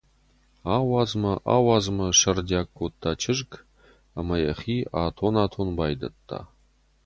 Ауадз мӕ, ауадз мӕ! — сӕрдиаг кодта чызг ӕмӕ йӕхи атон-атон байдыдта.